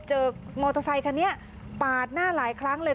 มอเตอร์ไซคันนี้ปาดหน้าหลายครั้งเลย